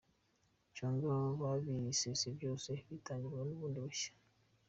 Cyangwa babisese byose bitangirwe bundi bushya.